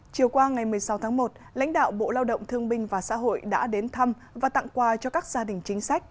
chiều qua ngày một mươi sáu tháng một lãnh đạo bộ lao động thương binh và xã hội đã đến thăm và tặng quà cho các gia đình chính sách